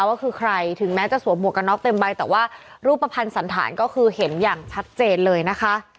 ว่าคือใครถึงแม้จะสวมหวกกันน็อกเต็มใบแต่ว่ารูปภัณฑ์สันฐานก็คือเห็นอย่างชัดเจนเลยนะคะ